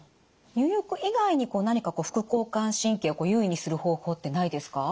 入浴以外に何か副交感神経を優位にする方法ってないですか？